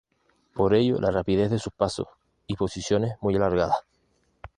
Por ello la rapidez de sus pasos, y posiciones muy alargadas.